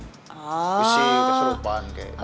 wisih keserupan kayaknya